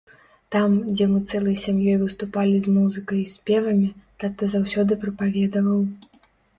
Там, дзе мы цэлай сям'ёй выступалі з музыкай і спевамі, тата заўсёды прапаведаваў.